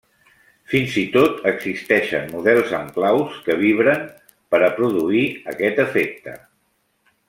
Fins i tot existeixen models amb claus que vibren per a produir aquest efecte.